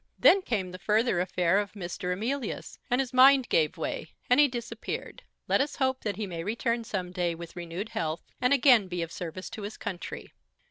Then came the further affair of Mr. Emilius, and his mind gave way; and he disappeared. Let us hope that he may return some day with renewed health, and again be of service to his country.